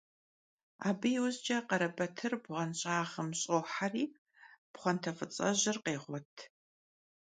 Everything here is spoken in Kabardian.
Abı yiujç'e Kharebatır bğuenş'ağım ş'oheri pxhuante f'ıts'ejır khêğuet.